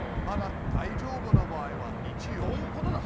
まだ大丈夫の場合は１を。